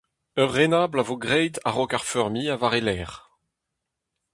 Ur renabl a vo graet a-raok ar feurmiñ ha war e lerc'h.